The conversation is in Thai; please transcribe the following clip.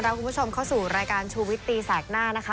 ตอนนี้พูดชมเข้าสู่รายการชูวิศตีแสกหน้า